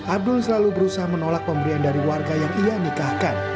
abdul selalu berusaha menolak pemberian dari warga yang ia nikahkan